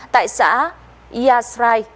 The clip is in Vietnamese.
tại xã ia srai